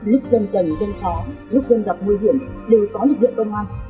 lúc dân cần dân khó lúc dân gặp nguy hiểm đều có lực lượng công an